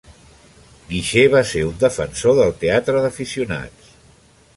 Guixer va ser un defensor del teatre d'aficionats.